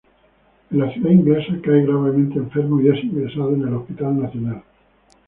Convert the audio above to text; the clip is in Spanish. En la ciudad inglesa, cae gravemente enfermo y es ingresado en el National Hospital.